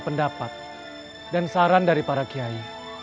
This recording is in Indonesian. pendapat dan saran dari para kiai